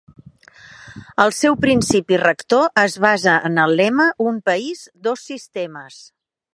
El seu principi rector es basa en el lema "Un país, dos sistemes".